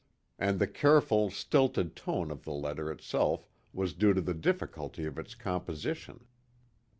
And the careful, stilted tone of the letter itself was due to the difficulty of its composition.